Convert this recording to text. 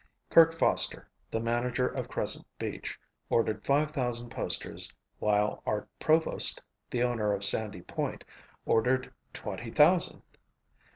Kirk Foster, the manager of Crescent Beach, ordered five thousand posters while Art Provost, the owner of Sandy Point, ordered twenty thousand.